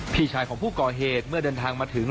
พี่ชายของผู้ก่อเหตุเมื่อเดินทางมาถึง